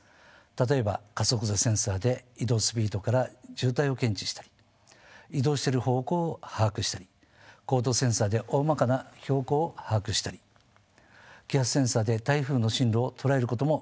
例えば加速度センサーで移動スピードから渋滞を検知したり移動している方向を把握したり高度センサーでおおまかな標高を把握したり気圧センサーで台風進路を捉えることも可能になっております。